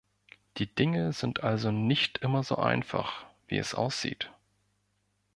Die Dinge sind also nicht immer so einfach, wie es aussieht.